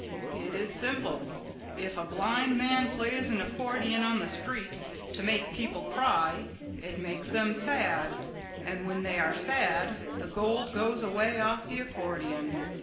"It is simple. If a blind man plays an accordion on the street to make people cry it makes them sad and when they are sad the gold goes away off the accordion.